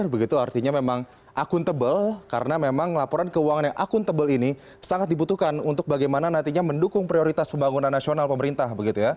begitu artinya memang akuntabel karena memang laporan keuangan yang akuntabel ini sangat dibutuhkan untuk bagaimana nantinya mendukung prioritas pembangunan nasional pemerintah